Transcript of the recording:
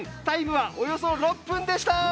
タイムはおよそ６分でした。